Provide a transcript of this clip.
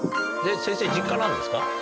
先生実家なんですか？